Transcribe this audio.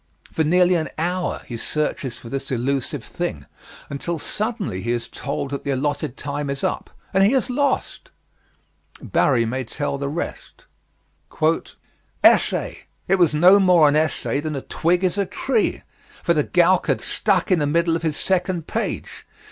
For nearly an hour he searches for this elusive thing, until suddenly he is told that the allotted time is up, and he has lost! Barrie may tell the rest: Essay! It was no more an essay than a twig is a tree, for the gowk had stuck in the middle of his second page.